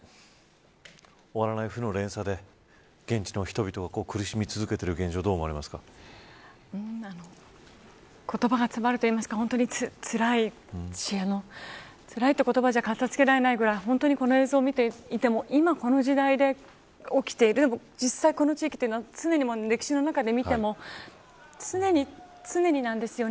終わらない負の連鎖で現地の人々が苦しみ続けている言葉が詰まるというかつらいという言葉じゃ片付けられないくらいこの映像を見ていても今、この時代で起きているこの地域は歴史の中で常に見ても常になんです。